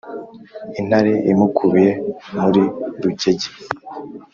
Intare imukubiye muri Rugege.